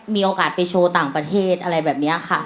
มีโอกาสไปโชว์ต่างประเทศอะไรแบบนี้ค่ะ